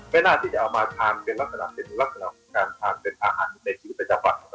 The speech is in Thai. แต่ไม่น่าจะเอามาทานเป็นลักษณะสิทธิ์กรรมการทานเป็นอาหารในชิคกี้พายจังหวัด